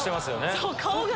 そう、顔が。